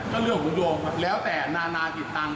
ก็เลือกคุณโยมแล้วแต่นานาผิดตังค์